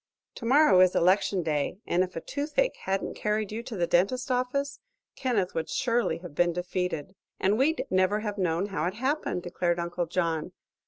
Tomorrow is election day, and if a toothache hadn't carried you to the dentist's office Kenneth would surely have been defeated." "And we'd never have known how it happened," declared Uncle John.